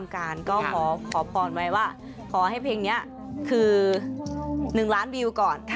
การก็ขอพรไว้ว่าขอให้เพลงนี้คือ๑ล้านวิวก่อน